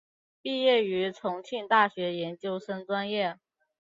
毕业于重庆大学研究生专业。